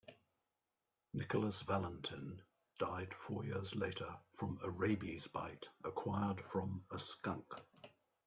Nicholas Valentin died four years later from a rabies bite acquired from a skunk.